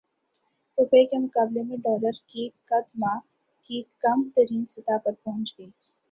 روپے کے مقابلے میں ڈالر کی قدر ماہ کی کم ترین سطح پر پہنچ گئی